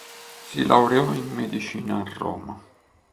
Si laureò in medicina a Roma.